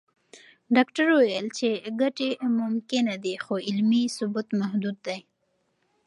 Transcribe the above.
ډاکټره وویل چې ګټې ممکنه دي، خو علمي ثبوت محدود دی.